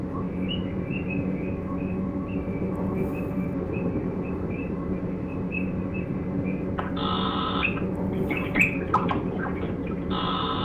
Msitu huu una viumbe adimu wakiwemo Kima punju ambae hapatikani popote duniani